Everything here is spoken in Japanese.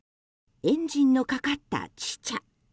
エンジンのかかったチチャ。